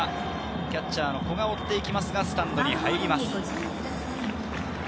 キャッチャーの古賀が追っていきますが、スタンドに入ります。